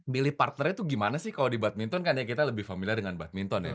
pilih partnernya itu gimana sih kalau di badminton kan ya kita lebih familiar dengan badminton ya